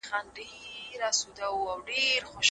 لکه نه وي پر کښتۍ توپان راغلی